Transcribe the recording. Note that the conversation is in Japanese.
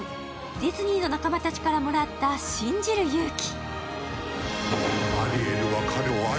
ディズニーの仲間たちからもらった信じる勇気。